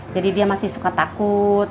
jadi dia masih suka takut